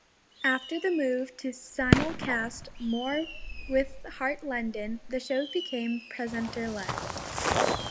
After the move to simulcast more with Heart London, the shows became presenter-led.